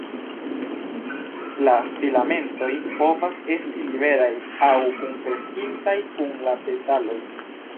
La filamentoj povas esti liberaj aŭ kunkreskintaj kun la petaloj.